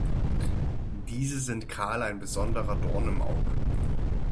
Diese sind Karl ein besonderer Dorn im Auge.